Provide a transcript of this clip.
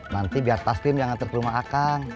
nanti biar tas tim yang ngantar ke rumah akang